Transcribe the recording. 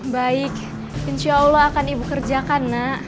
baik insya allah akan ibu kerjakan nak